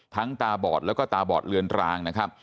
ตาบอดแล้วก็ตาบอดเลือนรางนะครับ